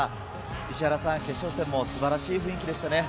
石原さん、決勝戦も素晴らしい雰囲気でしたね。